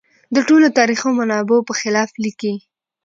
د ټولو تاریخي منابعو په خلاف لیکي.